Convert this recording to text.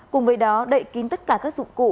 cùng với đó đậy kín tất cả các dụng cụ